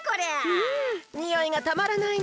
んにおいがたまらないね。